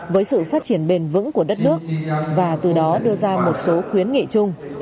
với sự phát triển bền vững của đất nước và từ đó đưa ra một số khuyến nghị chung